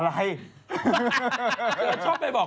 อะไร